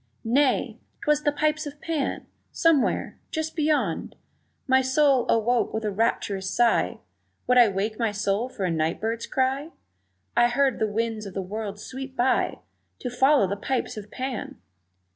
Nay! 'twas the pipes of Pan! Somewhere just beyond My soul awoke with a rapturous sigh (Would I wake my soul for a night bird's cry?) I heard the winds of the worlds sweep by To follow the pipes of Pan!